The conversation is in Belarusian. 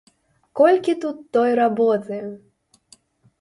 Колькі тут той работы!